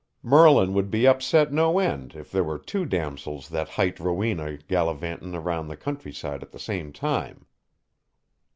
Merlin would be upset no end if there were two damosels that hight Rowena gallivanting around the countryside at the same time."